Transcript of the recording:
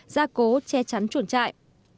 ra cố che chắn chuồng chạy